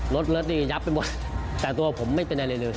รถรถนี่ยับไปหมดแต่ตัวผมไม่เป็นอะไรเลย